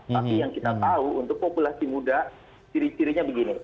tapi yang kita tahu untuk populasi muda ciri cirinya begini